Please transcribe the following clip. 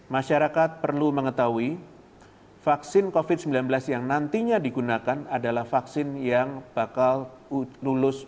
masyarakat perlu mengetahui vaksin covid sembilan belas yang nantinya digunakan adalah vaksin yang bakal lulus